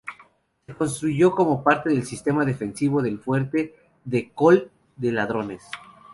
Se construyó como parte del sistema defensivo del fuerte de Coll de Ladrones.